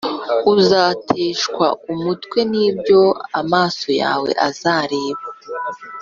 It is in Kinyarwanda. Uzateshwa umutwe n’ibyo amaso yawe azabona.